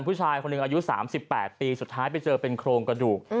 ผู้ชายคนหนึ่งอายุ๓๘ปีสุดท้ายไปเจอเป็นโครงกระดูก